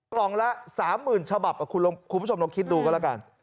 กล่องละ๓๐๐๐ฉบับคุณผู้ชมลองคิดดูก็แล้วกัน